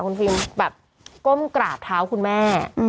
คุณฟิล์มแบบก้มกราบเท้าคุณแม่